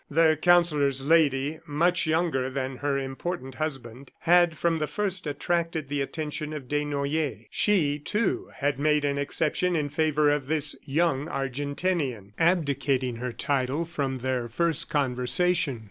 The Counsellor's Lady, much younger than her important husband, had from the first attracted the attention of Desnoyers. She, too, had made an exception in favor of this young Argentinian, abdicating her title from their first conversation.